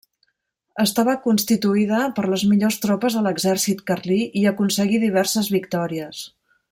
Estava constituïda per les millors tropes de l'exèrcit carlí i aconseguí diverses victòries.